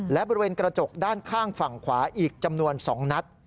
และบริเวณกระจกด้านข้างฝั่งขวาอีกจำนวน๒นัด